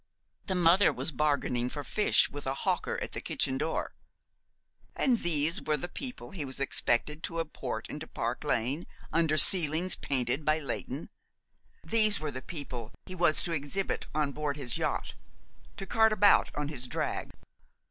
The mother was bargaining for fish with a hawker at the kitchen door. And these were the people he was expected to import into Park Lane, under ceilings painted by Leighton. These were the people he was to exhibit on board his yacht, to cart about on his drag.